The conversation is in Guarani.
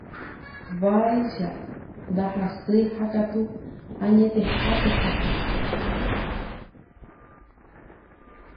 Vaicha ndahasýi ha katu añetehápe hasy.